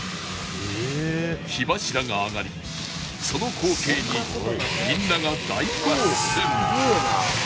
火柱が上がりその光景にみんなが大興奮！